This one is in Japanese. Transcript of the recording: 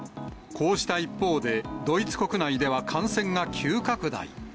こうした一方で、ドイツ国内では感染が急拡大。